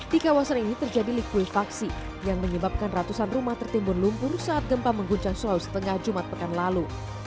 di kawasan ini terjadi likuifaksi yang menyebabkan ratusan rumah tertimbun lumpur saat gempa mengguncang sulawesi tengah jumat pekan lalu